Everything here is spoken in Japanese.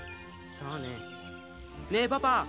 さあねねえパパ